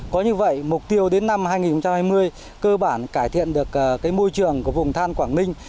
có như vậy mục tiêu đến năm hai nghìn hai mươi cơ bản cải thiện được môi trường của vùng than quảng ninh